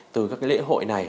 từ các cái lễ hội này